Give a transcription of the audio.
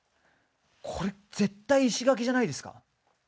これ絶対石垣じゃないですか？